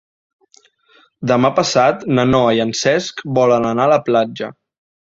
Demà passat na Noa i en Cesc volen anar a la platja.